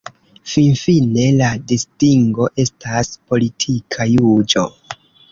Finfine, la distingo estas politika juĝo.